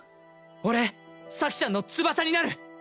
俺咲ちゃんの翼になる！